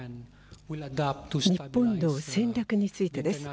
日本の戦略についてです。